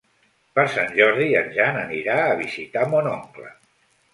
Per Sant Jordi en Jan anirà a visitar mon oncle.